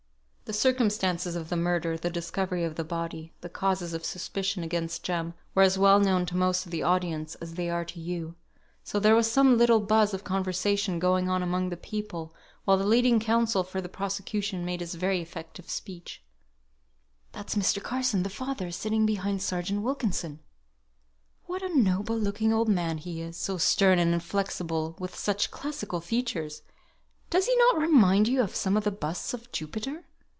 The circumstances of the murder, the discovery of the body, the causes of suspicion against Jem, were as well known to most of the audience as they are to you, so there was some little buzz of conversation going on among the people while the leading counsel for the prosecution made his very effective speech. "That's Mr. Carson, the father, sitting behind Serjeant Wilkinson!" "What a noble looking old man he is! so stern and inflexible, with such classical features! Does he not remind you of some of the busts of Jupiter?"